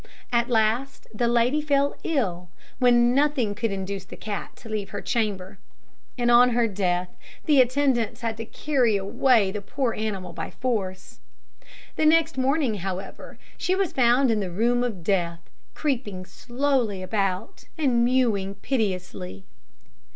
At last the lady fell ill, when nothing could induce the cat to leave her chamber; and on her death, the attendants had to carry away the poor animal by force. The next morning, however, she was found in the room of death, creeping slowly about, and mewing piteously.